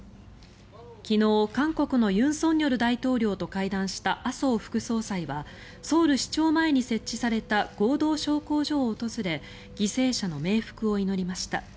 昨日韓国の尹錫悦大統領と会談した麻生副総裁はソウル市庁前に設置された合同焼香所を訪れ犠牲者の冥福を祈りました。